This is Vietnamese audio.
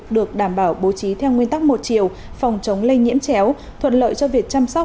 được đảm bảo bố trí theo nguyên tắc một chiều phòng chống lây nhiễm chéo thuận lợi cho việc chăm sóc